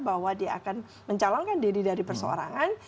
bahwa dia akan mencalonkan diri dari perseorangan